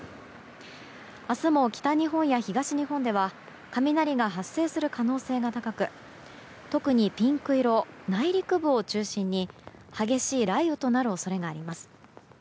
明日も北日本や東日本では雷が発生する可能性が高く特にピンク色、内陸部を中心に激しい雷雨となる恐れがあります。